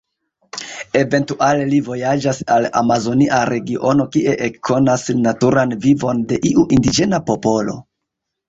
Eventuale li vojaĝas al amazonia regiono kie ekkonas naturan vivon de iu indiĝena popolo.